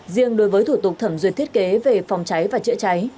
riêng đối với thủ tục thẩm duyệt thiết kế về phòng cháy và chữa cháy